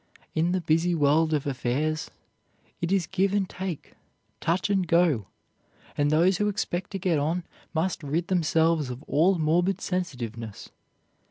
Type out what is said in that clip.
In the busy world of affairs, it is give and take, touch and go, and those who expect to get on must rid themselves of all morbid sensitiveness.